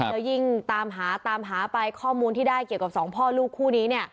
แล้วยิ่งตามหาตามหาไปข้อมูลที่ได้เกี่ยวกับสองพ่อลูกคู่นี้เนี่ย